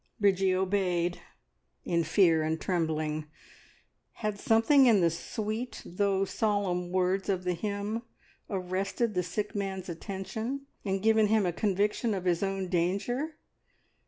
Bridgie obeyed, in fear and trembling. Had something in the sweet though solemn words of the hymn arrested the sick man's attention and given him a conviction of his own danger?